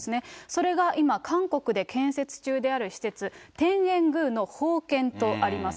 それが今、韓国で建設中である施設、天苑宮の奉献とあります。